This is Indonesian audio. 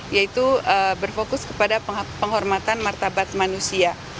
yaitu berfokus kepada penghormatan martabat manusia